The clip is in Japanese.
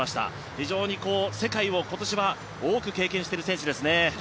非常に世界を今年は多く経験している選手ですね。